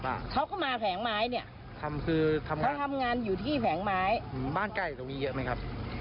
บ้านใกล้ตรงนี้เยอะไหมครับไม่ไกลค่ะบ้านอยู่ใกล้ค่ะ